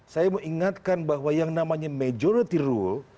saya mau ingatkan bahwa yang namanya majority rule